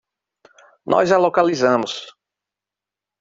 Nós a localizamos.